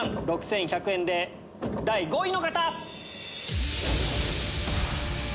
２万６１００円で第５位の方！